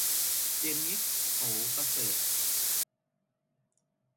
เจนนิษฐ์ โอ่ประเสริฐ